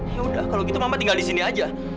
ya udah kalau gitu mama tinggal di sini aja